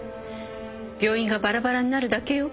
病院がバラバラになるだけよ。